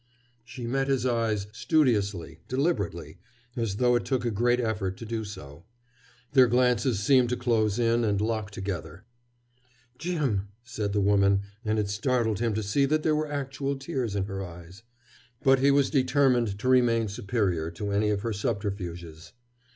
She met his eyes, studiously, deliberately, as though it took a great effort to do so. Their glances seemed to close in and lock together. "Jim!" said the woman, and it startled him to see that there were actual tears in her eyes. But he was determined to remain superior to any of her subterfuges.